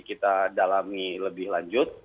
kita dalami lebih lanjut